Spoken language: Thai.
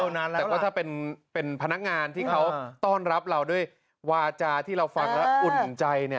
แต่ว่าถ้าเป็นพนักงานที่เขาต้อนรับเราด้วยวาจาที่เราฟังแล้วอุ่นใจ